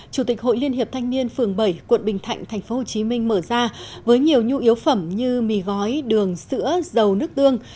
chủ tịch hội liên hiệp thanh niên phường bảy quận bình thạnh tp hcm mở ra với nhiều nhu yếu phẩm như mì gói đường sữa dầu nước tương